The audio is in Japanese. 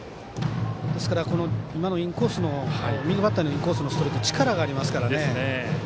ですから、右バッターのインコースのストレート、力がありますからね。